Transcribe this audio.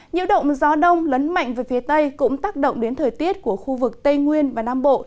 nhiễu động gió đông lấn mạnh về phía tây cũng tác động đến thời tiết của khu vực tây nguyên và nam bộ